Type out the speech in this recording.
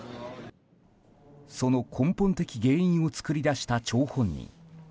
その根本的原因を作り出した張本人。